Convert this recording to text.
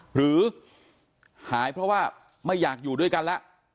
หรือหายเพราะว่าไม่อยากอยู่ด้วยกันแล้ว